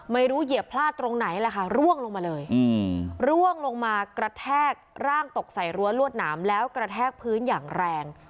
เหยียบพลาดตรงไหนแหละค่ะร่วงลงมาเลยร่วงลงมากระแทกร่างตกใส่รั้วลวดหนามแล้วกระแทกพื้นอย่างแรง